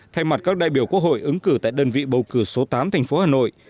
thay mặt các đại biểu quốc hội ứng cử tại đơn vị bầu cử số tám thành phố hà nội